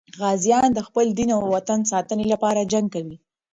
غازیان د خپل دین او وطن د ساتنې لپاره جنګ کوي.